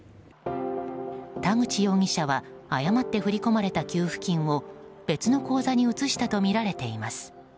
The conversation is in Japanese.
田口容疑者は誤って振り込まれた給付金を別の口座に移したとみられています。